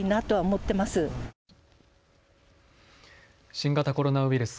新型コロナウイルス。